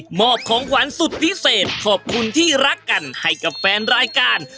อบของขวัญสุดพิเศษขอบคุณที่รักกันให้กับแฟนรายการ